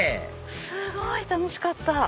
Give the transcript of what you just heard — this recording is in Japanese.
すごい楽しかった。